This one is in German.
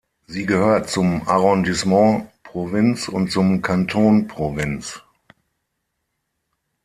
Sie gehört zum Arrondissement Provins und zum Kanton Provins.